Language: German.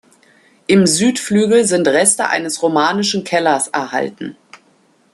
Im Südflügel sind Reste eines romanischen Kellers erhalten.